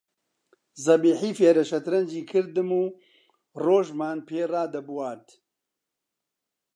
زەبیحی فێرە شەترەنجی کردم و ڕۆژمان پێ ڕادەبوارد